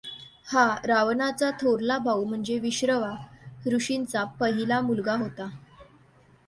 हा रावणाचा थोरला भाऊ म्हणजे विश्रवा ऋषींचा पहीला मुलगा होता.